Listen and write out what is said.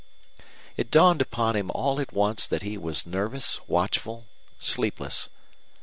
It dawned upon him all at once that he was nervous, watchful, sleepless.